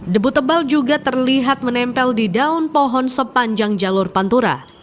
debu tebal juga terlihat menempel di daun pohon sepanjang jalur pantura